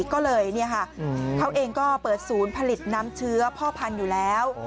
ก็เลยเขาเองก็เปิดศูนย์ผลิตน้ำเชื้อพ่อพันธุ์อยู่แล้ว